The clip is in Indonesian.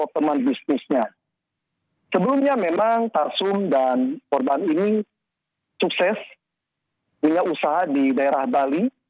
sebelumnya memang tarsum dan korban ini sukses punya usaha di daerah bali